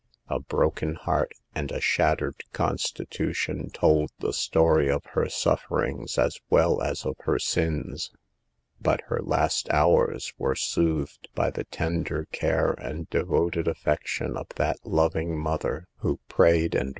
A broken heart and a shattered con stitution told the story of her sufferings as well as of her sins. But her last hours were soothed by the tender care and devoted af fection of that loving mother, who prayed and 120 SAVE THE GIRLS.